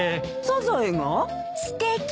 すてき！